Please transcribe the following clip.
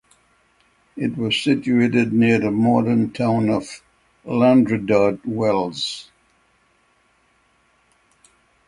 It was situated near the modern town of Llandrindod Wells.